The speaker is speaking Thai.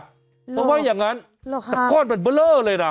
เพราะว่าอย่างนั้นหรอค่ะแต่ก้อนมันเบลอเลยน่ะ